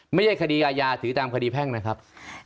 ไม่ใช่คดีอาญาถือตามคดีแพ่งนะครับ